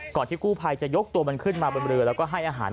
ที่กู้ภัยจะยกตัวมันขึ้นมาบนเรือแล้วก็ให้อาหาร